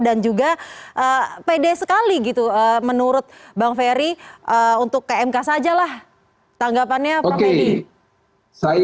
dan juga pede sekali gitu menurut bang ferry untuk ke mk saja lah tanggapannya prof ferry